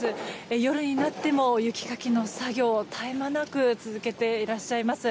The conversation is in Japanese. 夜になっても雪かきの作業絶え間なく続けていらっしゃいます。